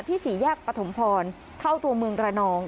สี่แยกปฐมพรเข้าตัวเมืองระนอง